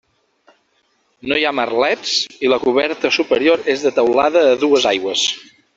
No hi ha merlets i la coberta superior és de teulada a dues aigües.